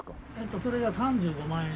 それが３５万円。